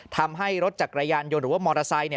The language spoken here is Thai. ทำให้รถจักรยันต์หรือว่ามอเตอร์ไซน์